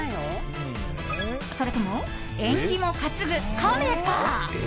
それとも、縁起も担ぐカメか。